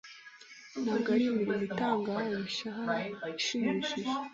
ntabwo ari imirimo itanga imishahara ishimishije